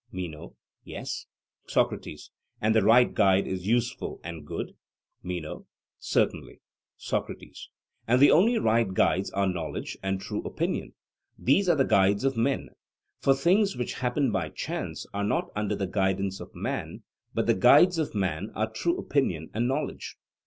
MENO: Yes. SOCRATES: And the right guide is useful and good? MENO: Certainly. SOCRATES: And the only right guides are knowledge and true opinion these are the guides of man; for things which happen by chance are not under the guidance of man: but the guides of man are true opinion and knowledge.